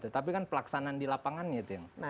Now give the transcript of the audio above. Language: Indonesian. tapi kan pelaksanaan di lapangannya itu yang perlu diperhatikan